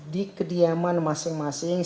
di kediaman masing masing